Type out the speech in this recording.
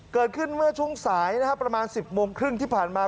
เกิดขึ้นเมื่อช่วงสายนะครับประมาณ๑๐โมงครึ่งที่ผ่านมา